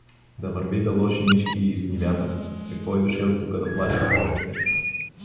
Да върви да лоши мишки из нивята, какво е дошел тука да плаши кокошките.